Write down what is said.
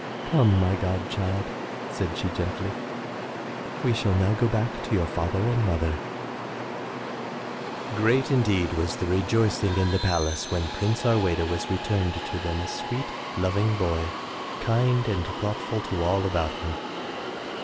"Come, my god child,'* said she gently, we shall now go back to your father and mother .'* Great indeed was the rejoicing in the palace when Prince Harweda was returned to them a sweet, loving boy, kind and thoughtful to all about him.